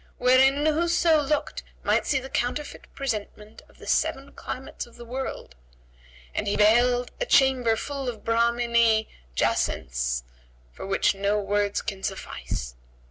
wherein whoso looked might see the counterfeit presentment of the seven climates of the world; and he beheld a chamber full of Brahmini[FN#143] jacinths for which no words can suffice.